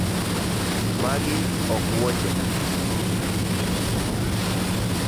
Magi ok wuochena .